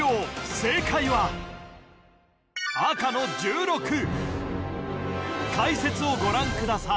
正解は赤の１６解説をご覧ください